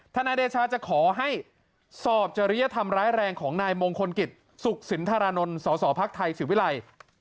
นายเดชาจะขอให้สอบจริยธรรมร้ายแรงของนายมงคลกิจสุขสินธารานนท์สสพักไทยศิวิรัย